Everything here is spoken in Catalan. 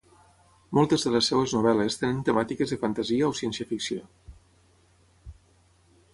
Moltes de les seves novel·les tenen temàtiques de fantasia o ciència-ficció.